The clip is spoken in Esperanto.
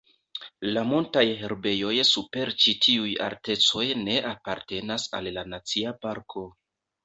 La montaj herbejoj super ĉi tiuj altecoj ne apartenas al la nacia parko.